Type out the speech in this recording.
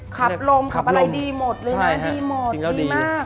ขับลมขับอะไรดีหมดเลยนะ